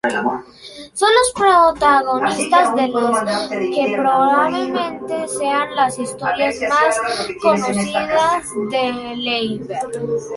Son los protagonistas de las que probablemente sean las historias más conocidas de Leiber.